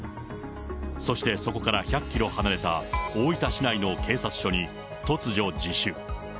そしてそこから１００キロ離れた大分市内の警察署に突如自首。